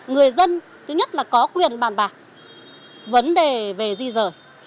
người dân thứ nhất là có quyền bàn bạc vấn đề về di rời